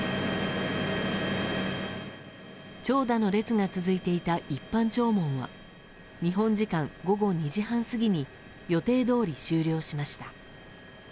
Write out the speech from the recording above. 長蛇の列が続いていた一般弔問は日本時間午後２時半過ぎに予定どおり終了しました。